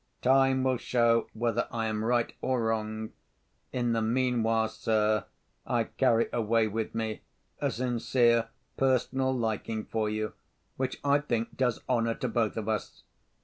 Time will show whether I am right or wrong. In the meanwhile, sir, I carry away with me a sincere personal liking for you, which I think does honour to both of us.